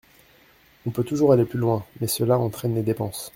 On peut toujours aller plus loin, mais cela entraîne des dépenses.